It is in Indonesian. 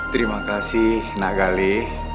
terima kasih naga gali